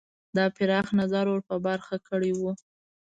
دا پراخ نظر ور په برخه کړی وو.